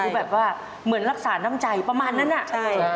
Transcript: คือแบบว่าเหมือนรักษาน้ำใจประมาณนั้นอ่ะใช่